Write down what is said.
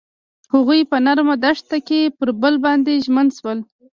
هغوی په نرم دښته کې پر بل باندې ژمن شول.